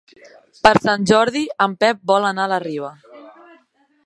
Per Sant Jordi en Pep vol anar a la Riba.